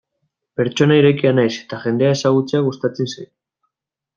Pertsona irekia naiz eta jendea ezagutzea gustatzen zait.